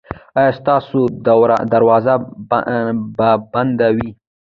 ایا ستاسو دروازه به بنده وي؟